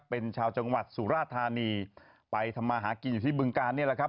เป็นชาวจังหวัดสุราธานีไปทำมาหากินอยู่ที่บึงการนี่แหละครับ